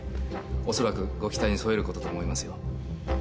おそらくご期待に沿えることと思いますよ。